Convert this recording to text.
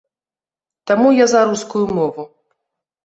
Таму я за рускую мову.